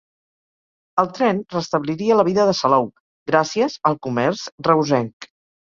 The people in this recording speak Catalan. El tren restabliria la vida de Salou, gràcies al comerç reusenc.